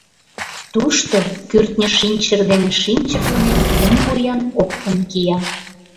Тушто кӱртньӧ шинчыр дене шинчырлыме кум вуян опкын кия.